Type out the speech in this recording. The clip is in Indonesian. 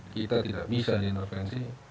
kita tidak bisa diintervensi